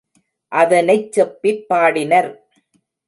அதனைச் செப்பிப் பாடினர்.